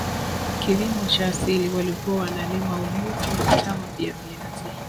Kilimo cha asili walikuwa wanalima ulezi na mtama pia viazi